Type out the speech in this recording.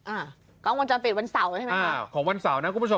อ่ากล้องวงจรปิดวันเสาร์ใช่ไหมอ่าของวันเสาร์นะคุณผู้ชม